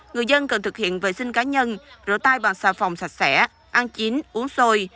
người dân cần thực hiện vệ sinh cá nhân rửa tay bằng xà phòng sạch sẽ ăn chín uống xôi